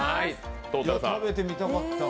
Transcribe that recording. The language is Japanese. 食べてみたかった。